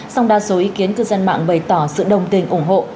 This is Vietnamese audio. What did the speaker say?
song đa số ý kiến cư dân mạng bày tỏ sự đồng tình ủng hộ